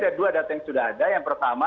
ada dua data yang sudah ada yang pertama